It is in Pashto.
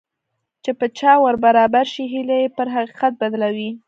چې په چا ور برابر شي هيلې يې پر حقيقت بدلوي.